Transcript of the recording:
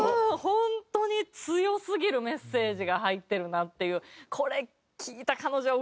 本当に強すぎるメッセージが入ってるなっていう。